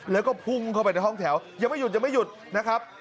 แล้วก็พุ่งเข้าไปในห้องแถวยังไม่หยุดยังไม่หยุดนะครับ